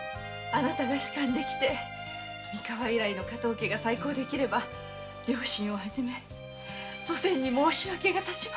仕官できて三河以来の加東家が再興できれば両親を初め祖先に申し訳がたちます。